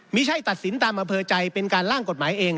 ไม่ใช่ตัดสินตามอำเภอใจเป็นการล่างกฎหมายเอง